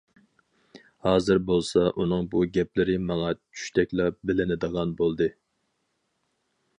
ھازىر بولسا ئۇنىڭ بۇ گەپلىرى ماڭ چۈشتەكلا بىلىنىدىغان بولدى.